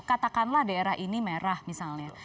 katakanlah daerah ini merah misalnya